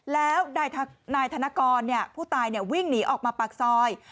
แล้วนายธนกรผู้ตายวิ่งหนีออกมาปากซอย